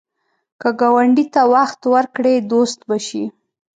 که ګاونډي ته وخت ورکړې، دوست به شي